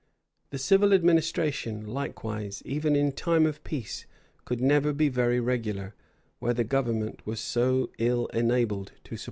The civil administration, likewise, even in time of peace, could never be very regular, where the government was so ill enabled to support itself.